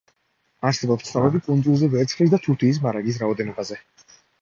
არსებობს ცნობები კუნძულზე ვერცხლის და თუთიის მარაგის რაოდენობაზე.